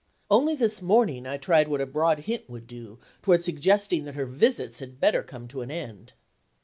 Only this morning, I tried what a broad hint would do toward suggesting that her visits had better come to an end.